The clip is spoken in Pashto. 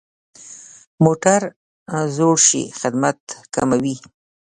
موټر زوړ شي، خدمت کموي.